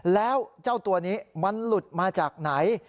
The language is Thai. แล้วเจ้าตัวนี้มันหลุดมาจากไหน